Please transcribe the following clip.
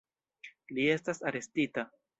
Li estas arestita.